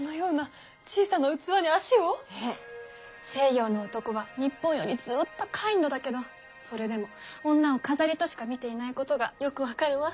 西洋の男は日本よりずっとカインドだけどそれでも女を飾りとしか見ていないことがよく分かるわ。